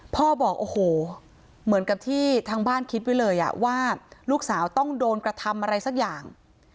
พ่อบอกโอ้โหเหมือนกับที่ทางบ้านคิดไว้เลยว่าลูกสาวต้องโดนกระทำอะไรสักอย่าง